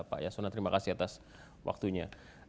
pak yasona terima kasih atas waktunya